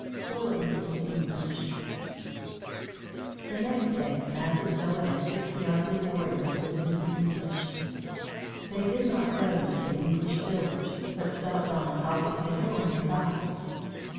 PHILIP MEETS THE ENGLISH The next day Massasoit and sixty of his warriors visited the English. They did not go into the English village, but stopped on the top of the hill near by.